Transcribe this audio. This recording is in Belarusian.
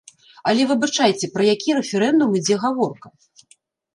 Але, выбачайце, пра які рэферэндум ідзе гаворка?